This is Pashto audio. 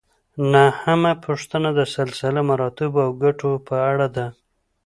نهمه پوښتنه د سلسله مراتبو او ګټو په اړه ده.